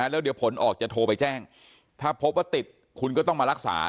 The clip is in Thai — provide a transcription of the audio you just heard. แล้วเดี๋ยวผลออกจะโทรไปแจ้งถ้าพบว่าติดคุณก็ต้องมารักษา